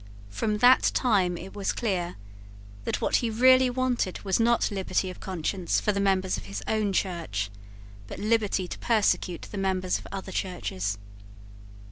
From that time it was clear that what he really wanted was not liberty of conscience for the members of his own church, but liberty to persecute the members of other churches.